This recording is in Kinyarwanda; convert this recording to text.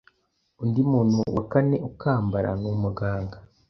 undi muntu wa kane ukambara ni umuganga